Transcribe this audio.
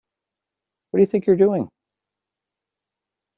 What do you think you're doing?